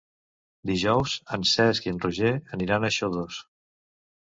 Dijous en Cesc i en Roger aniran a Xodos.